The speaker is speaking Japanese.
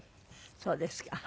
そうですか。